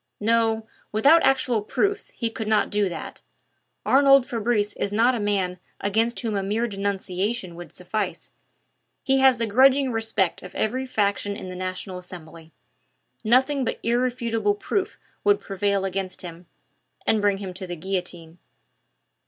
"No, without actual proofs he could not do that. Arnould Fabrice is not a man against whom a mere denunciation would suffice. He has the grudging respect of every faction in the National Assembly. Nothing but irrefutable proof would prevail against him and bring him to the guillotine."